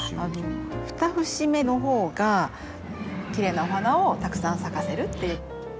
２節目の方がきれいなお花をたくさん咲かせるっていう。